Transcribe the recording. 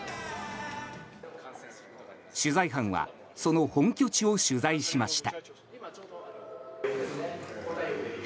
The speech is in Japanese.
取材班は、その本拠地を取材しました。